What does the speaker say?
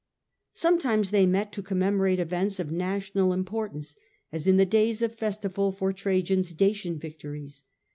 Sometimes they met to commemorate events of national importance, as in the days of festival for Trajan's Dacian victories.